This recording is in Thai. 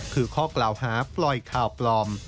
คือข้อกล่าวหาปล่อยข่าวปลอม